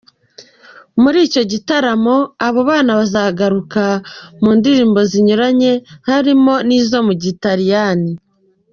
Muri icyo gitaramo abo bana bazagaruka, mu ndirimbo zinyuranye harimo n’izo mu gitaliyani.